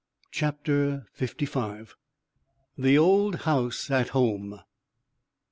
CHAPTER FIFTY FIVE. THE OLD HOUSE AT HOME.